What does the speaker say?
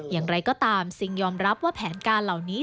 อย่างไรก็ตามซิงยอมรับว่าแผนการเหล่านี้